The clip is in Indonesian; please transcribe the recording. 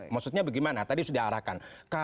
maksudnya bagaimana tadi sudah diarahkan